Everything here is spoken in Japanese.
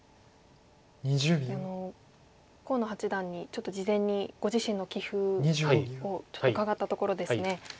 でも河野八段にちょっと事前にご自身の棋風をちょっと伺ったところですね。